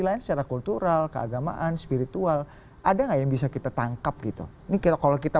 lain secara kultural keagamaan spiritual ada nggak yang bisa kita tangkap gitu ini kalau kita